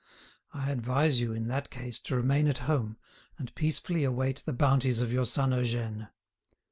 I advise you, in that case, to remain at home, and peacefully await the bounties of your son Eugène.